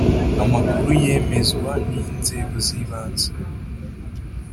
Amakuru yemezwa n’inzego z’ibanze